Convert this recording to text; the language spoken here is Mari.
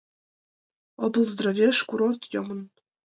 ОБЛЗДРАВЕШ КУРОРТ ЙОМЫН